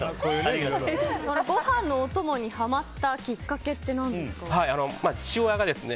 ご飯のお供にハマったきっかけってなんですか？